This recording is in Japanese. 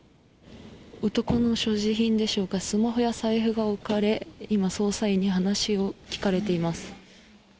男の所持品でしょうか、スマホや財布が置かれ今、捜査員に話を聞かれています。